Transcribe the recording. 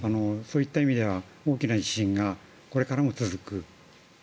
そういった意味では大きな地震がこれからも続く。